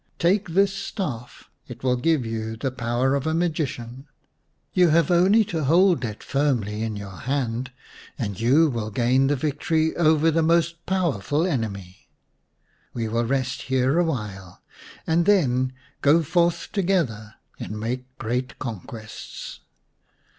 Take this staff ; it will give you the power of a magician. You have only to hold it firmly in your hand and you will gain the victory over the most powerful enemy. We will rest here awhile and then go forth together and make great conquests."